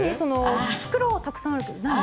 袋がたくさんあるけど何。